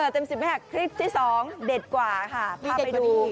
เต็มสิบแม่พริกที่๒เด็ดกว่าค่ะพาไปดู